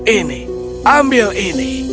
ini ambil ini